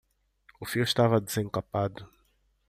O fio estava desemcapado